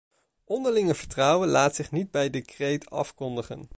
Onderling vertrouwen laat zich niet bij decreet afkondigen.